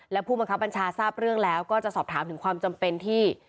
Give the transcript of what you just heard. และผู้บังคับบัญชาทราบเรื่องแล้วก็จะสอบถามถึงความจำเป็นที่